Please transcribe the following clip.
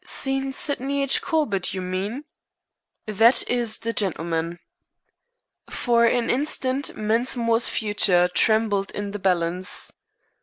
"Seen Sydney H. Corbett, you mean?" "That is the gentleman." For an instant Mensmore's future trembled in the balance.